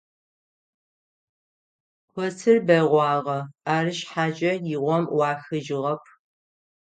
Коцыр бэгъуагъэ, ары шъхьакӏэ игъом ӏуахыжьыгъэп.